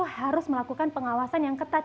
harus melakukan pengawasan yang ketat